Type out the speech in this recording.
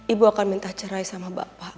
ibu akan minta cerai sama bapak